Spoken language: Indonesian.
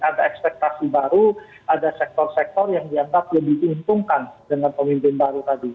ada ekspektasi baru ada sektor sektor yang dianggap lebih diuntungkan dengan pemimpin baru tadi